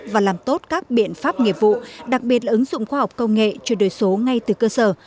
và làm tốt các biện pháp nghiệp vụ đặc biệt là ứng dụng khoa học công nghệ chuyển đổi số ngay từ cơ sở